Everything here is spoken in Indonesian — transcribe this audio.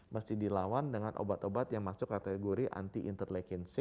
masih dilawan dengan obat obat yang masuk kategori anti interleukin enam